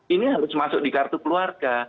ini harus masuk di kartu keluarga